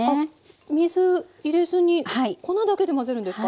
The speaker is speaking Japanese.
水入れずに粉だけで混ぜるんですか？